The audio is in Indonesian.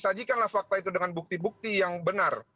sajikanlah fakta itu dengan bukti bukti yang benar